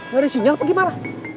gak ada sinyal apa gimana